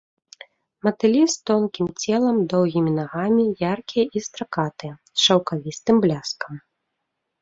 Матылі з тонкім целам, доўгімі нагамі, яркія і стракатыя, з шаўкавістым бляскам.